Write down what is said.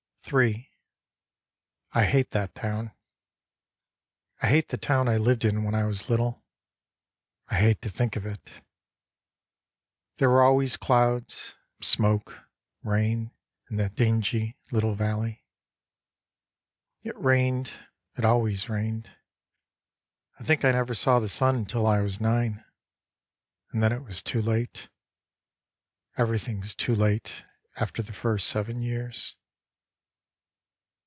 III I hate that town; I hate the town I lived in when I was little; I hate to think of it. There wre always clouds, smoke, rain In that dingly little valley. It rained; it always rained. I think I never saw the sun until I was nine And then it was too late; Everything's too late after the first seven years.